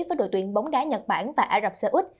với đội tuyển bóng đá nhật bản và ả rập xê út